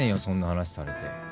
そんな話されて。